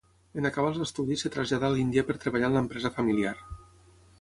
En acabar els estudis es traslladà a l'Índia per treballar en l'empresa familiar.